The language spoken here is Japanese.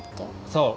そう。